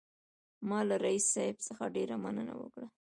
ما له رییس صاحب څخه ډېره مننه وکړه.